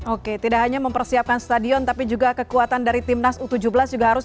oke tidak hanya mempersiapkan stadion tapi juga kekuatan dari timnas u tujuh belas juga harus